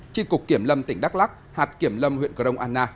tri cục kiểm lâm tỉnh đắk lắc hạt kiểm lâm huyện cờ rông anna